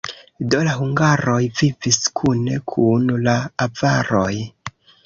Do, la hungaroj vivis kune kun la avaroj.